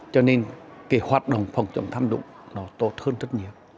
cho nên cái hoạt động phòng chống tham nhũng nó tốt hơn rất nhiều